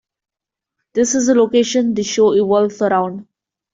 This is the location the show evolves around.